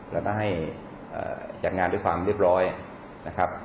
แล้วก็ให้จัดงานด้วยความเรียบร้อยนะครับ